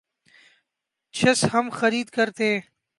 چس ہم خرید کر تھے